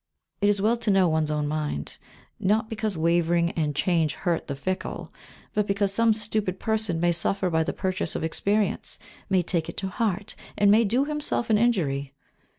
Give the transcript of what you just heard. It is well to know one's own mind, not because wavering and change hurt the fickle, but because some stupid person may suffer by the purchase of experience; may take it to heart, and may do himself an injury.